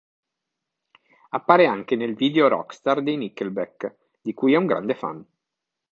Appare anche nel video "Rockstar" dei Nickelback, di cui è un grande fan.